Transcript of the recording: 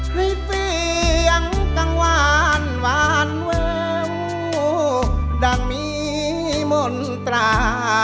ในเตียงกังวานวานเว้งดังมีมนตรา